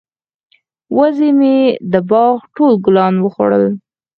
وزې مې د باغ ټول ګلان وخوړل.